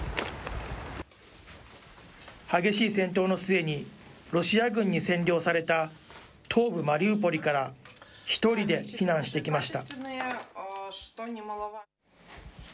激しい戦闘の末に、ロシア軍に占領された東部マリウポリから１人で避難してきました。